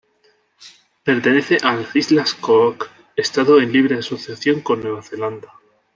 Pertenece a las Islas Cook, estado en libre asociación con Nueva Zelanda.